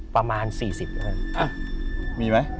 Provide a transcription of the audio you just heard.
ประมาณ๔๐ครับผมอ่ะมีไหม